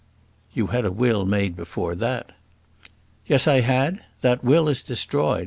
"You had a will made before that." "Yes, I had. That will is destroyed.